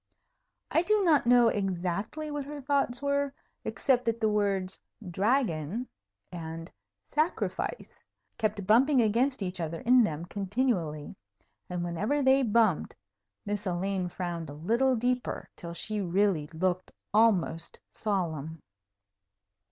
I do not know exactly what her thoughts were, except that the words "dragon" and "sacrifice" kept bumping against each other in them continually; and whenever they bumped, Miss Elaine frowned a little deeper, till she really looked almost solemn.